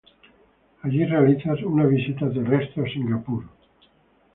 Allí realizan una visita terrestre a Singapur.